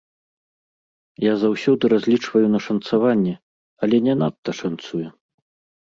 Я заўсёды разлічваю на шанцаванне, але не надта шанцуе.